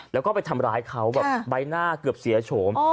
แล้วก็ไปทำร้ายเขาแบบใบหน้าเกือบเสียโฉม